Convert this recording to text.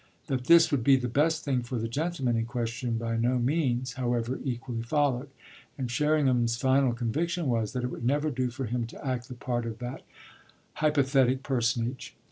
That this would be the best thing for the gentleman in question by no means, however, equally followed, and Sherringham's final conviction was that it would never do for him to act the part of that hypothetic personage.